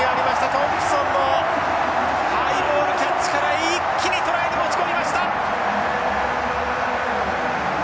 トンプソンのハイボールキャッチから一気にトライに持ち込みました！